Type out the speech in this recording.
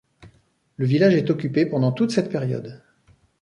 Le village est occupé pendant toute cette période.